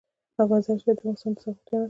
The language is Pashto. مزارشریف د افغانستان د زرغونتیا نښه ده.